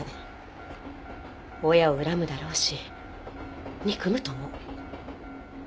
親を恨むだろうし憎むと思う。